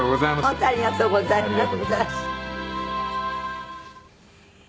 本当ありがとうございました。